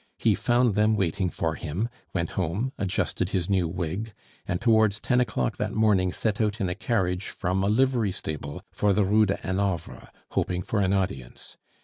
He found them waiting for him, went home, adjusted his new wig, and towards ten o'clock that morning set out in a carriage from a livery stable for the Rue de Hanovre, hoping for an audience.